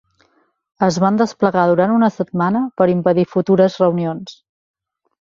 Es van desplegar durant una setmana, per impedir futures reunions.